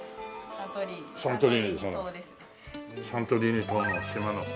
サントリーニ島の島の。